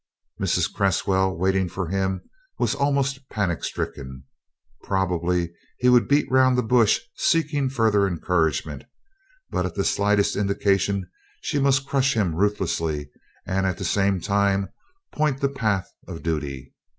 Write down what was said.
Mrs. Cresswell, waiting for him, was almost panic stricken. Probably he would beat round the bush seeking further encouragement; but at the slightest indication she must crush him ruthlessly and at the same time point the path of duty.